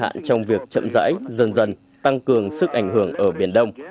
giải hạn trong việc chậm rãi dần dần tăng cường sức ảnh hưởng ở biển đông